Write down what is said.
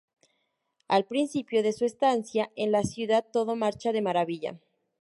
Al principio de su estancia en la ciudad todo marcha de maravilla.